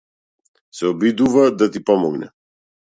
Се обидува да ти помогне.